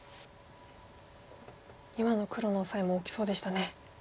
今の黒のオサエも大きそうでしたね。